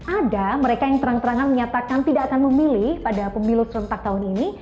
ada mereka yang terang terangan menyatakan tidak akan memilih pada pemilu serentak tahun ini